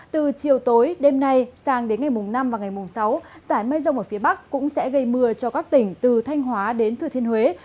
từ chiều tối đêm nay sang đến ngày mùng năm và ngày mùng sáu giải mây rông ở phía bắc cũng sẽ gây mưa cho các tỉnh từ thanh hóa đến thừa thiên huế